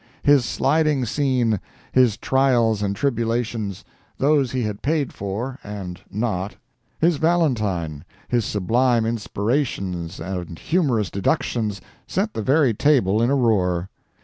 His sliding scene; his trials and tribulations; those he had paid for—and not; his valentine; his sublime inspirations and humorous deductions set the very table in a roar.